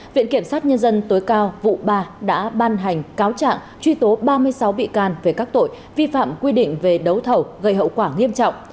viện kiểm sát nhân dân tối cao vụ ba đã ban hành cáo trạng truy tố ba mươi sáu bị can về các tội vi phạm quy định về đấu thầu gây hậu quả nghiêm trọng